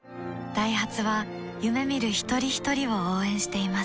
ダイハツは夢見る一人ひとりを応援しています